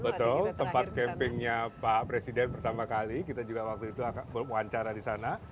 betul tempat campingnya pak presiden pertama kali kita juga waktu itu wawancara di sana